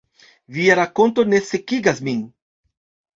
“Via rakonto ne sekigas min.”